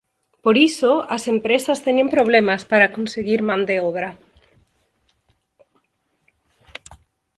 Por iso, as empresas teñen problemas para conseguir man de obra.